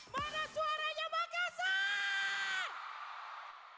mana suaranya makassar